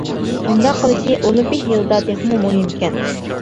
بۇنداق قىلىشى ئولىمپىك يىلىدا تېخىمۇ مۇھىمكەن.